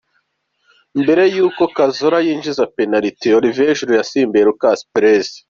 Mbere yuko Cazorla yinjiza penaliti, Olivier Giroud yasimbuye Lucas Perez.